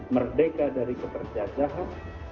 merdeka dari keterjajahan